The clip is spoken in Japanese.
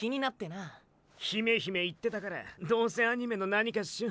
ヒメヒメ言ってたからどうせアニメの何かっショ。